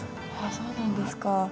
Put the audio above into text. そうなんですか。